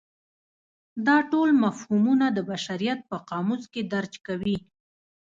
دا ټول مفهومونه د بشریت په قاموس کې درج کوي.